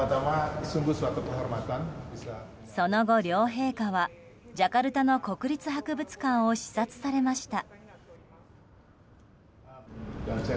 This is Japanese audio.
その後、両陛下はジャカルタの国立博物館を視察されました。